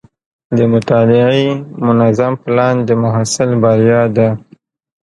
د مطالعې منظم پلان د محصل بریا ده.